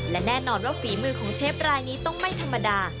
และแน่นอนว่าฝีมือของเชฟรายนี้ต้องไม่ธรรมดา